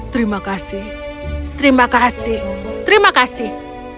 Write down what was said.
terima kasih terima kasih terima kasih